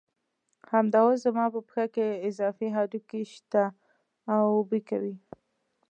همدا اوس زما په پښه کې اضافي هډوکي شته او بوی کوي.